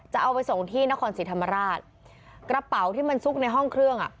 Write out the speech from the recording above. จะเอาไปส่งที่นครศรีธรรมราชกระเป๋าที่มันซุกในห้องเครื่องอ่ะ